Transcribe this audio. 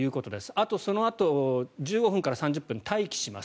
あと、そのあと１５分から３０分待機します